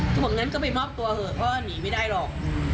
บอกงั้นก็ไปมอบตัวเถอะเพราะว่าหนีไม่ได้หรอก